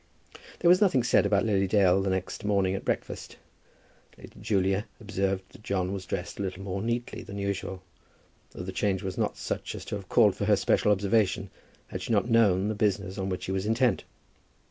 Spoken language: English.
There was nothing said about Lily Dale the next morning at breakfast. Lady Julia observed that John was dressed a little more neatly than usual; though the change was not such as to have called for her special observation, had she not known the business on which he was intent.